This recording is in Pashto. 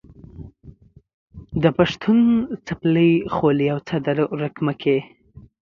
د پښتون څپلۍ، خولۍ او څادر ورک مه کې.